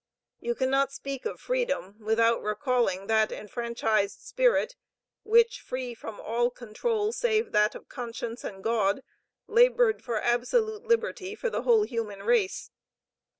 You cannot speak of freedom, without recalling that enfranchised spirit, which, free from all control, save that of conscience and God, labored for absolute liberty for the whole human race.